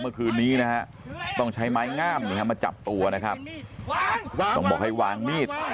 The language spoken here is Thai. ว่าคืนนี้นะครับต้องใช้ไม้ง่ามนี้มาจับตัวต้องบอกให้วางมีด